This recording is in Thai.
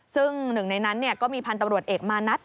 ซึ่งหนึ่งในนั้นก็มีพันธุ์ตำรวจเอกมานัด